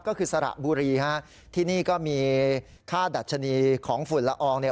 ก็คือสระบุรีฮะที่นี่ก็มีค่าดัชนีของฝุ่นละอองเนี่ย